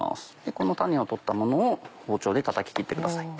この種を取ったものを包丁でたたき切ってください。